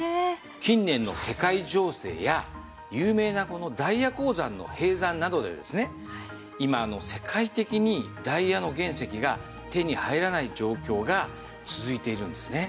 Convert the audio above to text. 近年の世界情勢や有名なダイヤ鉱山の閉山などで今世界的にダイヤの原石が手に入らない状況が続いているんですね。